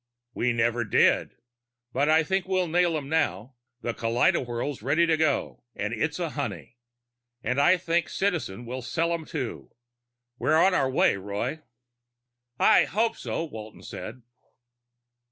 "We never did. But I think we'll nail 'em now. The kaleidowhirl's ready to go, and it's a honey. And I think Citizen will sell 'em too! We're on our way, Roy." "I hope so," Walton said.